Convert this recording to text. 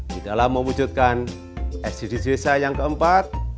di dalam mewujudkan eksidis desa yang keempat